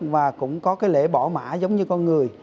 và cũng có cái lễ bỏ mã giống như con người